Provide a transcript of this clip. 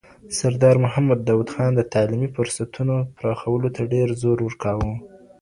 سردار محمد داود خان د تعلیمي فرصتونو پراخولو ته ډېر زور ورکاوه.